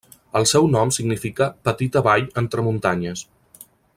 El seu nom significa 'petita vall entre muntanyes'.